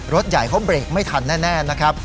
รถใหญ่เขาเบรกไม่ทันแน่นะครับ